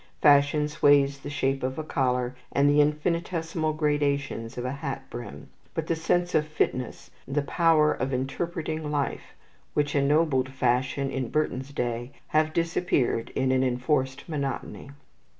Fashion sways the shape of a collar, and the infinitesimal gradations of a hat brim; but the sense of fitness, and the power of interpreting life, which ennobled fashion in Burton's day, have disappeared in an enforced monotony.